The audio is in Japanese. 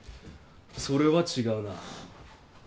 それは違うな。